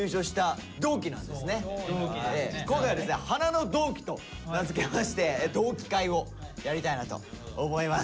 今回はですね「華の同期」と名付けまして同期会をやりたいなと思います。